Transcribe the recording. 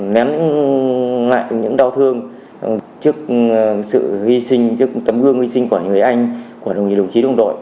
ném lại những đau thương trước sự huy sinh trước tấm gương huy sinh của người anh của đồng chí đồng đội